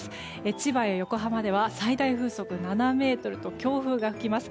千葉や横浜では最大風速７メートルと強風が吹きます。